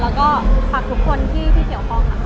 แล้วก็ฝากทุกคนที่เฉียวฟองค่ะ